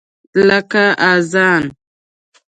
لکه اذان !